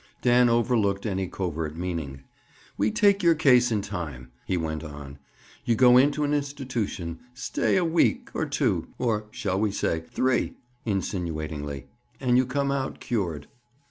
Dan overlooked any covert meaning. "We take your case in time," he went on. "You go into an institution, stay a week, or two—or shall we say, three," insinuatingly, "and you come out cured."